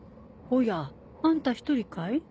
おやあんた１人かい？